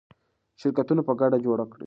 شرکتونه په ګډه جوړ کړئ.